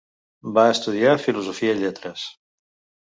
Va estudiar filosofia i lletres.